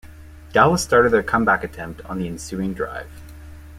Dallas started their comeback attempt on the ensuing drive.